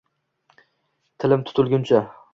Tilim tutilguncha